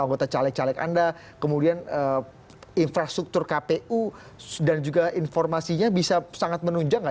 anggota caleg caleg anda kemudian infrastruktur kpu dan juga informasinya bisa sangat menunjang